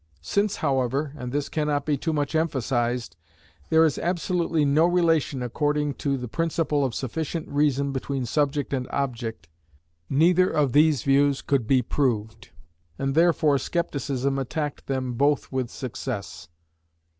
Since however, and this cannot be too much emphasised, there is absolutely no relation according to the principle of sufficient reason between subject and object, neither of these views could be proved, and therefore scepticism attacked them both with success.